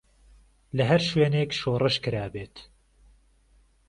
لە هەر شوێنێك شۆرش کرا بێت.